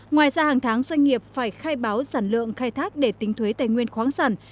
ngoài ra hàng tháng doanh nghiệp phải khai báo sản lượng khai thác để tính thuế tài nguyên khoáng sản